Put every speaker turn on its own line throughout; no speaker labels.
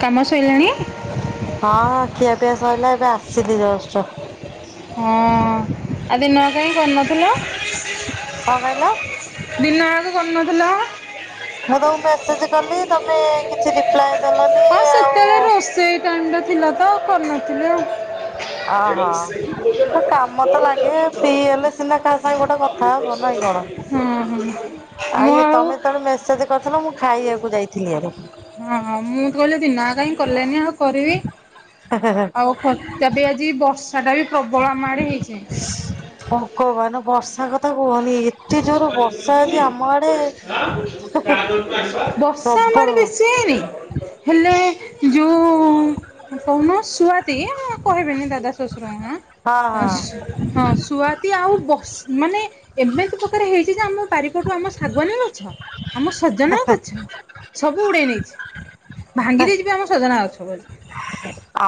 କାମ ସଇଲାଣି?
[unintelligible] ହଁ ଖିଆପିଆ ସଇଲା ଏବେ ଆସିଲି ଜଷ୍ଟ।
ହଁ ଆ ଦିନ ରେ କାଇଁ କରିନଥିଲ।
କଣ କହିଲ।
ଦିନ ଯାକ କରିନଥିଲ।
ମୁଁ ତମକୁ ମେସେଜ୍ କଲି ତମେ କିଛି ରିପ୍ଲାଏ ଦେଲନି
ହଁ
ଆଉ
ସେତେବେଳେ ରୋଷେଇ ଟାଇମ୍ ଟା ଥିଲା ତ କରିନଥିଲି ଆଉ।
ଓହୋ
ଭୋଜନର
କାମ ତ
ବଳକା
ଲାଗେ
ଭାତ
ଫ୍ରି ହେଲେ ସିନା କାହା ସାଙ୍ଗେ ଗୋଟେ
ଆମେ
କଥା ହବ
ପ୍ରସାଦ
ନାଇ କଣ।
ଭାବି ହଁ ହଁ ମୁଁ
ଆଇ
ଆଉ
ତମେ ତ ବେଳେ ମେସେଜ୍ କରିଥିଲ ମୁଁ ଖାଇବାକୁ ଯାଇଥିଲି ଇ ଆରେ।
ଅ ହଁ ମୁଁ ତ କହିଲି ଦିନ ଜାଙ୍କ କାହିଁ କଲେନି ଆଉ କରିବି।
ହେ ହେ।
ଫରଛା ବି ଆଜି ବର୍ଷା ଟା ବି ପ୍ରବଳ ଆମଆଡେ ହେଇଛି।
ଭଗବାନ ବର୍ଷା କଥା କୁହନି ଏ।
ବ ବର୍ଷା ଆମ
ପ୍ରବଳ
ଆଡେ ବେଶି
ବର୍ଷା
ହେଇନି ହେଲେ ଯଉ କହୁନ ସୁୁଆତି କହିବିନି ଦାଦା ଶଶୁର ଙ୍କ
ହଁ ହଁ
ନାସୁ ହଁ ସୁ। ସୁଆତି ଆଉ ବସ୍ ମାନେ ଏବେ ଏତେ ପ୍ରକାର ହେଇଛି ଯେ ଆମ ବାଡ଼ି ପଟୁ ଆମ ଶାଗୁଆନି ଗଛ ଆମ ସଜନା ଗଛ ସବୁ ଉଡେଇ ନେଇଛି ଭାଙ୍ଗି ଦେଇଛି ବି ଆମ ସଜନା ଗଛ କ।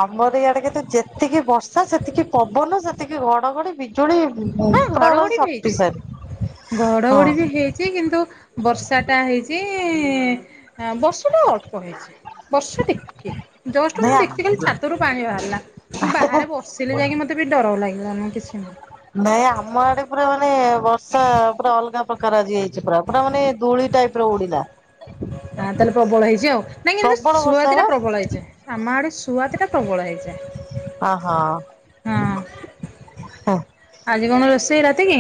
ଆମର ଇଆଡେ କେତେ ଯେତିକି ବର୍ଷା ସେତିକି ପବନ ସେତିକି ଘଡଘଡି ବି ବିଜୁଳି ପୁ
ହଁ
ପୁରା
ଘଡଘଡି ବି ହେଇଛି।
ସପିସେଣ୍ଡ୍ ହଁ।
ଅଛି କିନ୍ତୁ ବର୍ଷାଟା ହେଇଛି ଆଁ ବର୍ଷାଟା ଅଳ୍ପ ହେଇଛି। ବର୍ଷା ଟିକେ ଜଷ୍ଟ୍ ମୁଁ
ନାଇଁ ଆ
ଦେଖିଛିି ଖାଲି ଛାତରୁ ପାଣି ବାହାରିଲା। ମୁଁ ବାହାରେ ବସିଲି ଯାଇକି ମତେ ବି ଡର ଲାଗିଲା ନାହି କିଛି। ନାହିଁ
ନାଇଁ ଆମ ଆଡେ ପୁରା ମାନେ ବଷ ପୁରା ଅଲଗା ପ୍ରକାର ଆଜି ହେଇଛି ପୁରା ପୁରା ମାନେ ଧୂଳି ଟାଇପି ର ଉଡିଲା।
ହାଁ ତାହେଲେ ପ୍ରବଳ ହେଇଛି ଆଉ ନାଇଁ କିନ୍ତୁ
ପ୍ରବଳ ବର୍ଷା
ସୁଆତି
ବା
ଟା ପ୍ରବଳ ହେଇଛି। ଆମ ଆଡେ ସୁଆତି ଟା ପ୍ରବଳ ହେଇଯାଏ।
ଅ
ହଁ
ହ ହୁଁ।
ଆଜି କଣ ରୋଷେଇ ରାତି କି।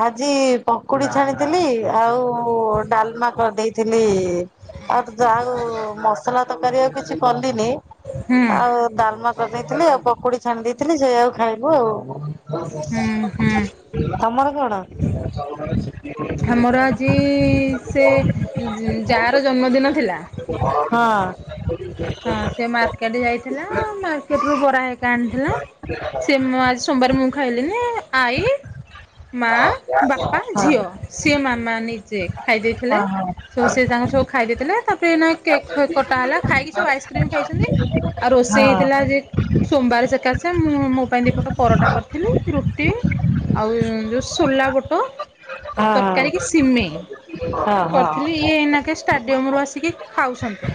ଆଜି ପକୁଡି ଛାଣିଥିଲି ଆଉ ଡାଲମା କରି ଦେଇଥିଲି। ଆଉ ଆଉ ମସଲା ତରକାରୀ ଆଉ କିଛି କଲିନି
ହୁଁ
ଆଉ ଡାଲମା କରିଦେଇଥିଲି ଆଉ ପକୁଡି ଛାଣି ଦେଇଥିଲି ସେଇ ଆକୁ ଖାଇଲୁ ଆଉ।
ହୁଁ ହୁଁ
ତମର କଣ?
ଆମର ଆଜି ସେ ଯା ର ଜନ୍ମଦିନ ଥିଲା
ହଁ ଅ ହ [unintelligible]
ହଁ ସେ ମାର୍କେଟ ଯାଇଥିଲା, ମାର୍କେଟ ରୁ ବରା ହେରିକା ଆଣିଥିଲା। ସେ ମୁଁ ଆଜି ସୋମବାର ମୁଁ ଖାଇଲିନି ଆଇ ମା,
ହଁ ହଁ ହଁ
ବାପା, ଝିଅ, ସିଏ ମାମା ନିଜେ ଖାଇ ଦେଇଥିଲେ। ସୁ ସେ ତାଙ୍କର ସାଙ୍ଗର ସବୁ ଖାଇ ଦେଇଥିଲେ ତାପରେ ଏନା କେକ୍ ଫେକ କଟାହେଲା ଖାଇକି ଖାଇକି ସବୁ ଆଇସ୍କ୍ରିମ ଖାଇଛନ୍ତି, ଆଉ ରୋଷେଇ ହେଇଥିଲା ଯେ ସୋମବାର ସେକାସେ ମୁଁ ମୋ ପାଇଁ ଦିପଟ ପରଟା କରିଥିଲି, ରୁଟି ଆଉ ଉ ସୋଲାବୁଟ ତରକାରୀ କି ସିମେଇ। କରିଥିଲି ଇଏ ଏଇନାକେ ଷ୍ଟାଡିୟମ ରୁ ଆସିକି ଖାଉଛନ୍ତି।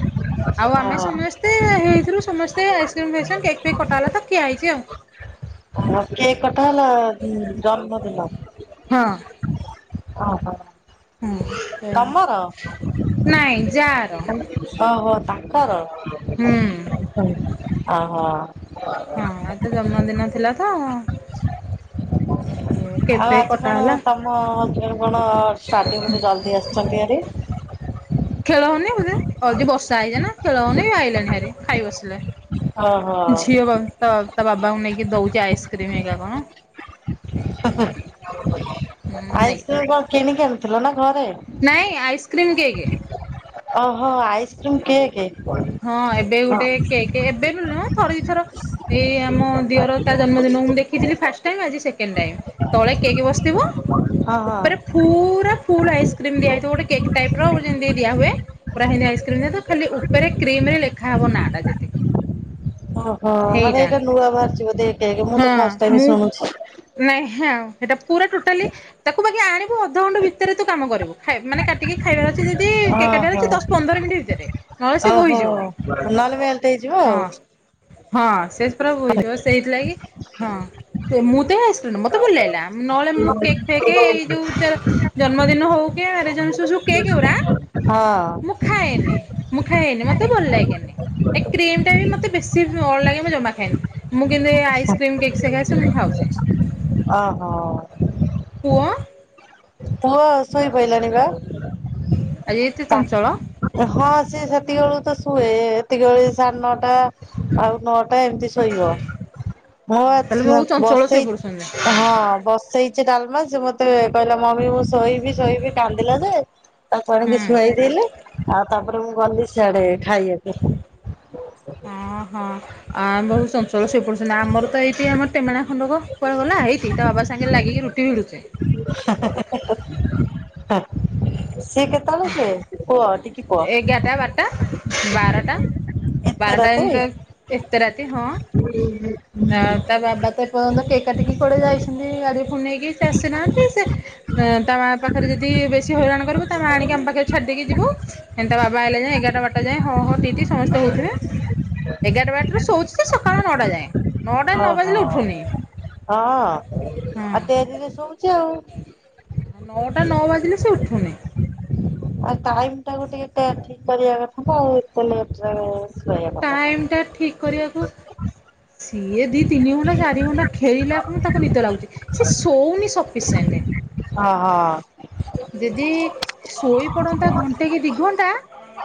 ହଁ
ଆଉ ଆମେ ସମସ୍ତେ ହେଇଥିରୁ ସମସ୍ତେ ଆଇସ୍କ୍ରିମ୍ ଫାଇସକ୍ରିମ୍ କେକ୍ ଫେକ୍ କଟା ହେଲା ତ ଖିଆ ହେ ଇଛି ଆଉ। [inaudible]
ଆଉ କେକ କଟା ହେଲା ଜନ୍ମଦିନ।
ହଁ ଅ
ଓ ହ।
ସେଇଆ
ତମର
ନାଇଁ ଯାଆର
ଓହୋ ତାଙ୍କର।
ହୁଁ ଉ
ହ ଓ ହୋ
ହଁ ଆଜି ତା ଜନ୍ମଦିନ ଥିଲା ତ। କେକ୍
ଆଉ
ଫେକ୍
ଆଜି
କଟା
କଣ
ହେଲା।
ତମ ହଜେବେଣ୍ଟ କଣ ଷ୍ଟାଡ଼ିୟମ ରୁ ଜଲ୍ଦି ଆସିଛନ୍ତି ଭାରି।
ଖେଳ ହଉନି ବଧେ? ଅଉ ଯଦି ବର୍ଷା ହେଇଯା ନା ଖେଳ ହଉନି ଆଇଲାଣିି ଭାରି, ଖାଇ ବସିଲେ,
ଓହୋ
ଝିଅ କ ତ ତା ବାବାଙ୍କୁ ନେଇକି ଦଉଛି ଆଇସ୍କ୍ରିମ ହେରିକା କଣ?
ହୁଁ ହୁଁ ଆଇସ୍କ୍ରିମ
ହୁଁ ନେଇ
କଣ କିଣିକି ଆଣିଥିଲ, ନା ଘରେ?
ନାଇଁ ଆଇସ୍କ୍ରିମ୍ କେକ।
ଓହୋ, ଆଇସ୍କ୍ରିମ୍ କେକ।
ହଁ ଏବେ ଗୋଟେ କେକ, ଏବେ ନୁ ନୁହଁ ଥରେ ଦି ଥର। ଏଇ ଆମ ଦିଅର ତା ଜନ୍ମଦିନ ମୁଁ ଦେଖିଥିଲି ଫାଷ୍ଟ ଟାଇ ଆଜି ସେ ସେକେଣ୍ଡ ଟାଇମ, ତଳେ କେକ ବସିଥିବ?
ହଁ
ଉପରେ
ହଁ।
ପୁରା ଫୁଲ ଆଇସ୍କ୍ରିମ ଦିଆ ହେଇଥିବ ଗୋଟେ କେକ୍ ଟାଇପର, ଯେମିତି ଦିଆ ହୁଏ। ପୁରା ହେମିତି ଆଇସ୍କ୍ରିମ ଦିଆହେଇଥିବ, ଖାଲି ଉପରେ କ୍ରିମ ରେ ଲେଖାହବ ନା ଟା ଯେତିକି।
ଓହୋ ମାନେ
ହେଇଟା
ଏଇଟା ନୂଆ ବାହାରିଚି ବୋଧେ ଏ କେକେ ମୁଁ
ହଁ
ତ ଫାଷ୍ଟ ଟାଇମ
ମୁଁ
ଶୁଣୁଛି।
ନାଇଁ ଆଉ ସେଟା ପୁରା ଟୋଟାଲି, ତାକୁ ବାକି ଆଣ ତାକୁ ଅଧଘଣ୍ଟା ଭିତରେ ତୁ କାମ କରିବୁ, ମାନେ କାଟିକି ଖାଇବାର ଅଛି ଯଦି କେକ କାଟିବାର
ଓହୋ
ଅଛି, ଦଶ ପନ୍ଦର ମିନଟ ଭିତରେ। ନହେଲେ ସେ
ଓହୋ,
ବୋହିଯିବ
ନହେଲେ ମେଲ୍ଟ ହେଇଯିବ ଆଉ।
ହଁ ହଁ ଶେଜ ପୁରା ବୋହି ଯିବ ସେଇଥିଲାଗି, ହଁ ମୁଁ ତ ଏ ଆଇସିକିର୍ମ ମତେ ଭଲ ଲାଗିଲା ନହେଲେ ମୁଁ କେ ଫେ ଏଇ ଯୋଉ ଜନ୍ମଦିନ ହଉ କି ଆରେ ଜସୁଝୁ କେକେ ଉରା
ହଁ
ମୁଁ ଖାଏନି। ମୁଁ ଖାଏନି ମତେ ଭଲ ଲାଗେନି ଏ କ୍ରିମ ଟା ବି ମତେ ବେଶି ଅଡ଼ ଲାଗେ ମୁଁ ଜମା। ମୁଁ କିନ୍ତୁ ଆଇସ୍କ୍ରିମ୍ କେକ୍ ସକାଶେ ମୁଁ ଖାଉଛି।
ଅ ହୋ।
ପୁଅ
ପୁଅ ଶୋଇ ପହିଲଣି ବା ହଁ ସିଏ
ଆଜି ଏତେ ଚଞ୍ଚଳ
ସେତିକି ବେଳେକୁ ତ ଶୁହେ ଏତିକି ବେଳେ ସାଢେ ନଅଟା ଆଉ। ନଅଟା ଏମିତି ଶୋଇବ ମୁଁ
ହଁ
ଏ
ତାହେଲେ ବହୁତ ଚଞ୍ଚଳ
ବସେଇ।
ଶୋଇପଡୁଛନ୍ତି
ହଁ ବସେଇଛି ଡାଲମା ସେ ମତେ କହିଲା ମମି ମୁଁ ଶୋଇବି ଶୋଇବି କାନ୍ଦିଲା ଯେ ତାକୁ ଆଣିକି
ହୁଁ
ଶୁଆଇଦଲେ ଆଉ ତାପରେ ମୁଁ ଗଲି ସିଆଡେ ଖାଇଆକୁ।
ଓହଁ ଆମର ଚଞ୍ଚର ଶଇପଡୁଛନ୍ତି ଆମର ତ ଏଇଠି ଆମର ଟେମେଣା ଖଣ୍ଡକ କୁଆଡେ ଗଲା ହେଇଟି ତା ବାବା ସାଙ୍ଗରେ ଲାଗି କି ରୁଟି ବେଲୁଚି।
[unintelligible] ସିଏ କେତେବେଳେ ଶୁହେ କୁହ ଟିକେ କୁହ?
ଏଗାରଟା ବାରଟା ବାରଟା
ଏତେ ରାତି?
ବାରଟାନ୍ତ ଏତ ରାତି ହଁ ଆଉ ତା ବାବା ତ ଏପର୍ଯ୍ୟନ୍ତ କାଟିକି କୋଆଡେ ଯାଇଛନ୍ତି ଗାଡି ହୁ ନେଇକି ସେ ଆସିନାହାନ୍ତି ସେ ତା ମାଆ ପାଖରେ ଯଦି ବେଶୀ ହଇରାଣ କରିବ ତା ମା ଆଣିକି ଆମ ପାଖରେ ଛାଡିଦେଇକି ଯିବୁ। ଏନ୍ତା ବାବା ଆଇଲେ ଯାଏ ଏଗାରଟା ବଟା ଯାଏ ହଁ ହଁ ତି ତି ସମସ୍ତେ ହଉଥିବେ। ଏଗାର ବାରଟାରୁ ଶୋଉଛି ଯେ ସକାଳ ନଅଟା ଯାଏଁ। ନଅଟା ନ
ଓହୋ
ବାଜିଲେ ଉଠୁନି
ହଁ
ହଁ
ଆଉ ଦେରି ରେ ଶୋଇଚି ଯାଉ
ନଅଟା ନଅ ବାଜିଲେ ସେ ଉଠୁନି।
ଆଉ ଟାଇମ ଟାକୁ ଟିକେ ଠିକ କରିବା କଥା ନା ଆଉ ଏତେ ଲଟରେ
ଟାଇମ୍ଟା ଠିକ କରିଆକୁ ସିଏ ଦି ତିନି ଘଣ୍ଟା ଚାରି ଘଣ୍ଟା ଖେଳିଲା କୁ ତାକୁ ନିଦ ଲାଗୁଛି। ସେ ଶୋଉନି ସଫିସିଏଣ୍ଟ।
ହଁ ହଁ।
ଦିଦି ଶୋଇ ପଡନ୍ତା ଘଣ୍ଟେ କି ଦି ଘଣ୍ଟା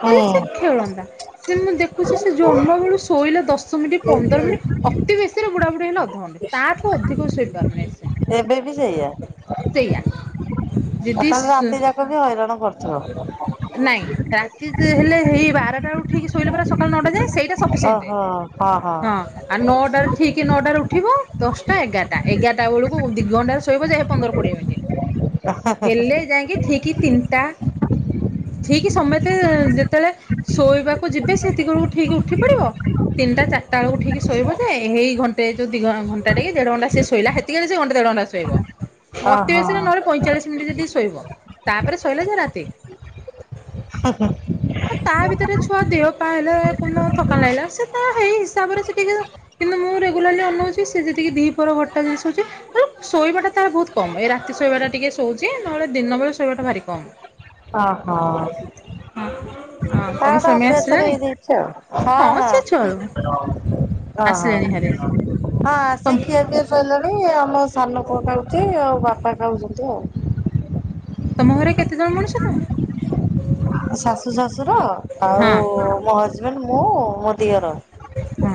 ହୁଁ
ସେ ଖେଳନ୍ତା। ସେ ମୁଁ ଦେଖୁଛି ସେ ଜନ୍ମ ବେଳୁ ଶୋଇଲା ଦଶ ଦଶ ମିନିଟ୍ ପନ୍ଦର ମିନିଟ୍ ଅତି ବେଶୀରେ ବୁଢାବୁଢୀ ହେଲେ ଅଧଘଣ୍ଟେ ତାଠୁ ଅଧିକ ଶୋଇପାରୁନାଇଁ ସେ
ଏବେ ବି ସେଇଆ।
ସେଇଆ
ଆଉ
ଯଦି
ତାହେଲେ
ଶୋ
ରାତି ଯାକ ବି ହଇରାଣ କରୁଥିବ।
ନାଇଁ ରାତି ହେଲେ ହେଇ ବାରଟା ଉ ଠିକ ଶୋଇଲା ପରା ସକାଳ ନଅଟା ଯାଏ ସେଇଟା ସଫିସେଣ୍ଟ। ହଁ ଆଉ ନଅଟାରେ ଠିକ ନଅଟା ରେ ଉଠିବ। ଦଶଟା ଏଗାରା ଏଗାରଟା ବେଳକୁ ଦୁଇଘଣ୍ଟାରେ ଶୋଇବ ଯେ ପନ୍ଦର କୋଡ଼ିଏ ମିନିଟ୍।
[unintelligible]
ହେଲେ ଯାଇକି ଠିକ ତିନିଟା ଠିକ ସମତେ ଯେତେବେଳେ ଶୋଇବାକୁ ଯିବେ ସେତିକଳକୁ ଠିକ ଉଠି ପଡିବ। ତିନିଟା ଚାରଟା ବଳକୁ ଉଠିକି ଶୋଇବ ଯେ ଏଇ ଘଣ୍ଟେ ଯଉ ଦି ଘ ଘଣ୍ଟା ଟେକି ଦେଢ ଘଣ୍ଟା ସେ ଶୋଇଲା ହେ ସେ ଘଣ୍ଟା ଦେଢ ଘଣ୍ଟା ଶୋଇବ
ଓହୋ
ଅତିବେଶୀରେ ନହଲେ ପଇଁଚାଳିଶ ଯଦି ଶୋଇବ ତାପରେ ଶୋଇଲା ଯେ ରାତି।
ଉଁ ହୁଁ।
ଆ ତା ଭିତରେ ଛୁଆ ଦେହ ପା ହେଲେ କୁ ଦିନ ଥକା ନାଇଁଲା ସେ ତା ସେଇ ହିସାବରେ ସେ ଟିକ ଯୋ କିନ୍ତୁ ମୁଁ ରେଗୁଲାରଲି ଅନଉଛି ସେ ଯେତିକି ଦି ପହର ଘଟା ଜିନି ଶୋଇଚି। ଶୋଇବାଟା ତାର ବହୁତ କମ ଏଇ ରାତି ଶୋଇବାଟା ଟିକେ ଶୋଇଉଛି ନହେଲେ ଦିନ ବେଳେ ଶୋଇବାଟା ଭାରି କମ।
ହଁ ହଁ।
ହଁ ତମ
ତାର
ସ୍ୱାମୀ
ଅଭ୍ୟାସରେ
ଆସିଲେଣି?
ହେଇଯାଇଚି ଆଉ ହଁ ହଁ।
ସେ ଛୁଆଳୁ ଆସିଲେଣି ହାରି।
ଓହୋ ହଁ ଆସି
ତମ୍
ଖିଆ ପିଆ ଶୋଇଲେଣି ଆମ ସାନ ପୁଅ ଖାଉଛି ଆଉ ବାପା ଖାଉଛନ୍ତି ଆଉ
ତମ ଘରେ କେତେ ଜଣ ମଣିଷ ତ?
ଶାଶୁ ଶାଶୁର
ହଁ
ଆଉ ମୋ ହଜବେଣ୍ଡ ମୁଁ ମୋ ଦିଅର।
ହଁ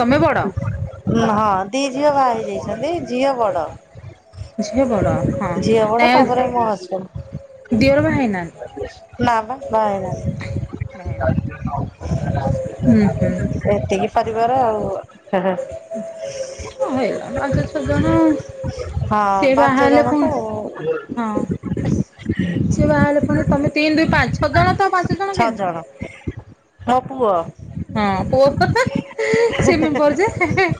ତମେ ବଡ?
ହଁ ଦି ଝିଅ ବାହା ହେଇ ଯାଇଛନ୍ତି ଝିଅ ବଡ଼।
ଝିଅ ବଡ଼ ହଁ
ଝିଅ ବଡ
ନାଇଁ
ତା ପରେ ମୋ
ଦିଅର ବାହା ହେଇନାହାନ୍ତି
ହଜବ୍ୟାଣ୍ଡ। ନା ପା ବାହା ହେଇ ନାହାଁନ୍ତି।
ବାହା ହେଇନାହାନ୍ତି। ହୁଁ ହୁଁ
ଏତିକି ପରିବାର ଆଉ।
ହଁ ହେଲା ପାଞ୍ଚ ଛଅ ଜଣ ଆଉ ସେ
ପାଞ୍ଚ
ବାହା ହେଲେ
ଜଣ ତ
ପୁଣୁ ହଁ ସିଏ ବାହା ହେଲେ ପୁଣି ତମେ ତିନି ଦୁଇ ପାଞ୍ଚ ଛଅ ଜଣ ତ ଆଉ ପାଞ୍ଚ ଜଣ କେନ୍ତି।
ମୋ ପୁଅ।
ହଁ ପୁଅ ସିଏ ମେମ୍ବର ଯେ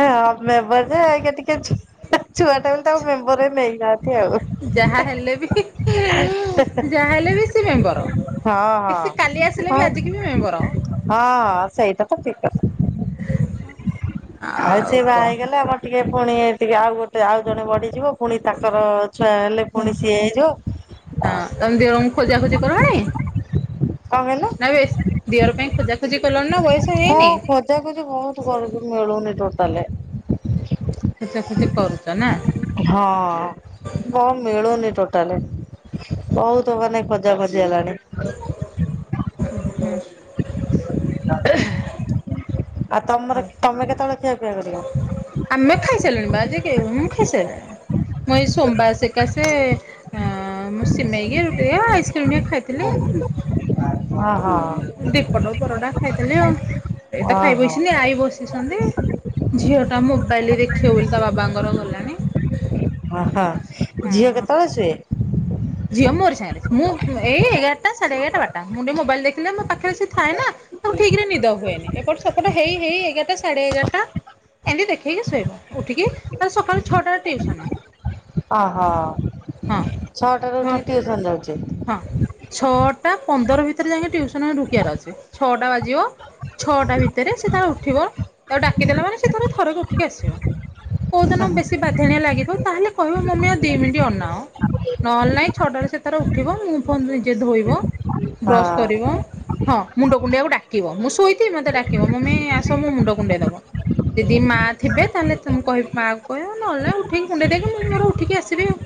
ହଁ ମେମ୍ବର ଯେ ଆଜ୍ଞା ଟିକେ ଛୁଆ ଛୁଆ ଟା ତାକୁ ମେମ୍ବର ରେ ନେଇନାହାନ୍ତି ଆଉ।
ଯାହା ହେଲେ ବି ଯାହା ହେଲେ ବି ସେ ମେମ୍ବର।
ହଁ ହଁ
ସେ କାଲି ଆସିଲେ ବି
ହଁ
ଆଜିିକି ବି ମେମ୍ବର
ହଁ ହଁ ସେଇଟା ତ ଠିକ କଥା।
ହ
ଆଉ ସିଏ ବାହା ହେଇଗଲେ ଆମର ଟିକେ ପୁଣି ଟିକେ ଆଉ ଗୋଟେ ଆଉ ଜଣେ ବଢିଯିବ। ପୁଣି ତାଙ୍କର ଛୁଆ ହେଲେ ପୁଣି ସିଏ ହେଇଯିବ।
ହଁ
କଣ
ତମେ ଦିଅରଙ୍କୁ ଖୋଜା ଖୋଜି କଲଣି?
କହିଲ?
ନା ବେଶ ଦିଅର ପାଇଁ ଖୋଜାଖୋଜି କଲଣି ନା ବୟସ
ହଁ
ହେଇନି?
ଖୋଜା ଖୋଜି ବହୁତ କଲୁଣି ମିଳୁନି ଟୋଟାଲେ ଦେ
ଖୋଜା ଖୋଜି କରୁଚ ନା?
ହଁ। କଁ ମିଳୁନି ଟୋଟାଲେ ବହୁତ ମାନେ ଖୋଜା ଖୋଜି ହେଲାଣି।
ହ ହୁଁ
ଆଉ ତମର ତମେ କେତେବେଳେ ଖିଆ ପିଇଆ କରିବ?
ଆମେ ଖାଇସାରିଲୁଣି ବା ଆଜି କେ ମୁଁ ଖାଇସାରିଲଣି। ମୁଁ ଏଇ ସୋମବାର ସକାସେ ଆଁ ହଁ ମୁଁ ସିମେଇ କି ରୁଟି ଟିକେ ଆ ଆଇସ୍କ୍ରିମ୍ ଟିକେ ଖାଇଥିଲି।
ହଁ ହଁ
ଦୀପଟ ପରରଟା ଖାଇଦେଲି ଆଉ ଏଇତ
ହଁ
ଖାଇ
ହଁ।
ବଇଚନ୍ତି ଆଈ ବସିଛନ୍ତି ଝିଅ ଟା ତା ମୋବାଇଲ ବି ଦେଖିବ ବୋଲି ତା ବାବାଙ୍କର ଗଲାଣି
ଓହୋ
ଆ ହଁ।
[unintelligible]
ଝିଅ ମୋରି ସାଙ୍ଗରେ ସୁ ମୁଁ ଏଇ ଏଗାରଟା ସାଢେ ଏଗାରଟା ବାଟା ମୁଁ ଟିକେ ମୋବାଇଲ ଦେଖିଲେ ମୋ ପାଖରେ ସିଏ ଥାଏ ନା। ତାକୁ ଠିକ ରେ ନିଦ ହୁଏନି ଏପଟ ସେପଟ ହେଇ ହେଇ ଏଗାରଟା ସାଢେ ଏଗାରଟା ଏମିତି ଦେଖେଇକି ଶୋଇବ ଉଠିକି ତାର ସକାଳୁ ଛଅଟା
ଅହ ଛଅଟାରୁ
ହଁ
ଉଠିକି
ଛ
ଟ୍ୟୁସନ୍ ଯାଉଚି?
ହଁ ଛଅଟା ପନ୍ଦର ଭିତରେ ଯାଇକି ଟ୍ୟୁସନରେ ଢୁକିବାର ଅଛି ଛଅଟା ବାଜିବ ଛଅଟା ଭିତରେ ସେ ତାର ଉଠିବ ତାକୁ ଡାକିଦେଲା ମାନେ ସେ ଥର ଥରକ ଉଠିକି ଆସିବ। କୋଉଦିନ ବେଶୀ ବାଧ୍ୟାଣିଆ ଲାଗିଥିବ ତାହେଲେ କହିବ ମମି ଆଉ ଦି ମିନିଟ୍ ଅନାଅ ନହେଲେ ନାହିଁ ଛଟରେ ସିଏ ତାର ଉଠିବ ମୁଁହ ଫୁହଁ ନିଜେ ଧୋଇବ
ହଁ।
ବ୍ରସ୍ କରିବ ହଁ ମୁଣ୍ଡ କୁଣ୍ଡେଇଆକୁ ଡାକିବ ମୁଁ ଶୋଇଥିବି ମତେ ଡାକିବ ମମି ଆସ ମୋ ମୁଣ୍ଡ କୁଣ୍ଡେଇ ଦବ। ଯଦି ମାଆ ଥିବ ତାହେଲେ ତମ କହିବ ମା କହିବ ନହେଲେ ଉଠେଇକି କୁଣ୍ଡେଇ ଦେଇକି ମୁଁ ମୋର ଉଠିକି ଆସିବି ଆଉ।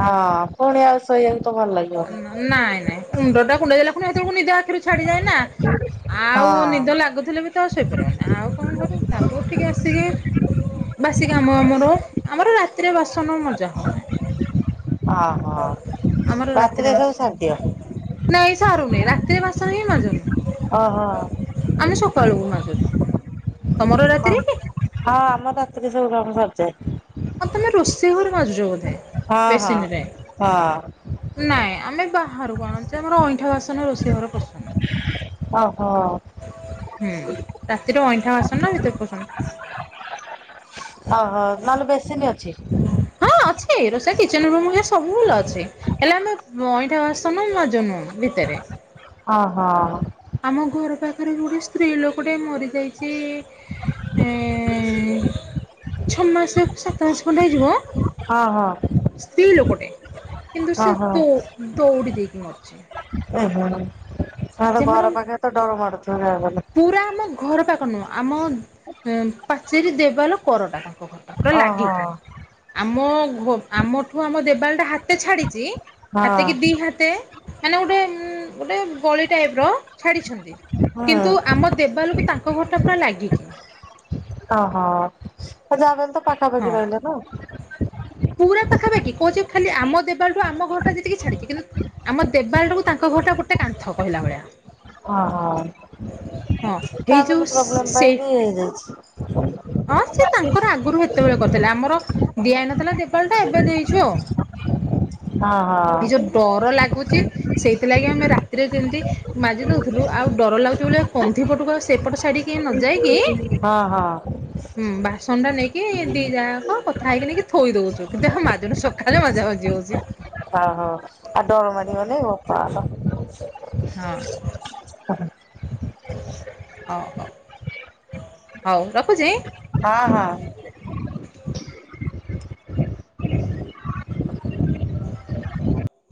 ହଁ ପୁଣି ଆଉ ଶୋଇଆକୁତ ଭଲ ଲାଗିବନି।
ନାଇଁ ନାଇଁ ମୁଣ୍ଡ ଟା କୁଣ୍ଡେଇ ଦେଲା ଖୁଣି ହେତେବେକୁ ନିଦ ଆଖିରୁ ଛାଡିଯାଏନା।
ହଁ
ଆଉ ନିଦ ଲାଗୁଥିଲେ ବି ତ ଆଉ ଶୋଇପାରିବୁନି ଆଉ କଣ କରିବୁ ତାପରେ ତ ଉଠିକି ଆସିକି ବାସି କାମ ଆମର ଆମର ରାତିରେ ବାସନ ମଜା ହ
ଓହୋ ରାତିରେ
ଆମର ରାତିରେ
ସବୁ
ବାସ
ସାରିଦିଅ
ନାଇଁ ସାରୁନିଁ ରାତିରେ ବାସନ ହିଁ ମାଜୁନି
ଓ ହୋ।
ଆମେ ସକାଳୁ ମାଜୁ।
ହଁ ହଁ ଆମ ରାତିରେ ସବୁ କାମ ସରିଯାଏ।
ହଁ ତମେ ରୋଷେଇ ଘରେ ମାଜୁଛ ବୋଧେ
ହଁ ହଁ
ବେସିନରେ।
ହଁ
ନାଇଁ ଆମେ ବାହାରୁକୁ ଆଣୁଚୁ ଆମର ଅଇଁଠା ବାସନ ରୋଷେଇ ଘରେ ପଶୁ
ଓହୋ।
ହୁଁ ରାତିରେ ଅଇଁଠା ବାସନ ଭିତରକୁ ପଶୁନି।
ଓହୋ ନହେଲେ ବେସିନି ଅଛି।
ହଁ ଅଛି ରୋଷେଇ କିଚନ ରୁମ ହେରିକା ସବୁ ଭଲ ଅଛି ହେଲେ ଆମେ ଅଇଁଠା ବାସନ ମାଜୁନୁ ଭିତରେ।
ଓ ହୋ।
ଆମ ଘର ପାଖରେ ଗୋଟେ ସ୍ତ୍ରୀ ଲୋକ ଟେ ମରି ଯାଇଛି। କି ଛଅ ମାସ ସା ସାତ ମାସ ଖଣ୍ଡ ହେଇଯିବ।
ହଁ ହଁ।
ସ୍ତ୍ରୀ ଲୋକଟେ କିନ୍ତୁ ସେ
ଓହୋ
ଦ ଦୌଡ଼ି ଦେଇକି ମରିଛି।
ଓହୋ ତମର ତ
ସେମାନେ
ଘର ପାଖରେ ତ ଡର ମାଡୁଥିବ ଯାହାବି ହେଲେ।
ପୁରା ଆମ ଘର ପାଖ ନୁହଁ ଆମ ପାଚେରୀ ଦେବାଲ କରଟା। ତାଙ୍କ ଘର ଟା ପୁରା
ଓହୋ
ଲାଗିକି। ଆମ ଆମଠୁ ଆମ ଦେବାଲଟା ହାତେ ଛାଡିଛି ହାତ
ହଁ
କି ଦି ହାତ ମତେ ମାନେ ଗୋଟେ ଗୋଟେ ଗଳି ଟାଇପ ର ଛାଡିଛନ୍ତି। କିନ୍ତୁ
ହୁଁ
ଆମ ଦେବାଲକୁ ତାଙ୍କ ଘରଟା ପୁରା ଲାଗିକି।
ଓହୋ ଯାହାବି ହେଲେ ତ
ହଁ।
ପାଖାପାଖି ରହିଲେ ନା।
ପୁରା ପାଖାପାଖି କହୁଛି ଖାଲି ଆମ ଦେବାଲଠୁ ଆମ ଘରଟା ଯେତିକି ଛାଡିକି କିନ୍ତୁ ଆମ ଦେବାଲ ଟାକୁ ତାଙ୍କ ଘର ଟା ଗୋଟେ କାନ୍ଥ କହିଲା ଭଳିଆ।
ଓହୋ
ହଁ ହେଇ ଯୋଉ
ଫ୍ୟାମିଲି ପ୍ରୋବ୍ଲେମ
ସେ
ପାଇଁ ବି ହେଇଯାଇଛି।
ହଁ ସେ ତାଙ୍କର ଆଗରୁ ସେତେବେଳେ କରିଥିଲେ ଆମର ଦିଆହେଇନଥିଲା ଦେବାଲ ଟା ଏବେ ଦେଇଛୁ ଆଉ।
ହଁ
ଏଇ
ହଁ
ଯୋଉ ଡର ଲାଗୁଛି ସେଇଥିଲାଗି ଆମେ ରାତିରେ ଯେମିତି ମାଜି ଦେଉଥିଲୁ ଆଉ ଡର ଲାଗୁଛି ଭଳିଆ କନ୍ଧିପଟକୁ ଆ ସେପଟ ସାଇ ଟିକି
ହଁ ହଁ।
ହୁଁ ବାସନ ଟା ନେଇକି ଦି ଯା ଯାକ ଖାଇକି ନେଇକିି ଥୋଇ ଦଉଛୁ କିନ୍ତୁ ଆଉ ମାଜୁନୁ ସକାଳେ ମଜା ମଜି ହୋଉଛି।
ହ ହୋ ଆଉ ଡର ମାଡିବନି ବୋପାଲୋ।
ହଁ।
ହୁଁ।
ହଉ ହଉ ହଉ ରଖୁଛି।
ହଁ ହଁ।